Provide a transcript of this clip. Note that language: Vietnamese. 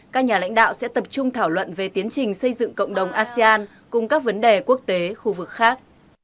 các nhà lãnh đạo sẽ tập trung thảo luận về tiến trình xây dựng cộng đồng asean cùng các vấn đề quốc tế khu vực khác